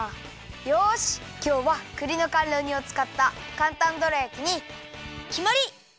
よしきょうはくりのかんろ煮をつかったかんたんどら焼きにきまり！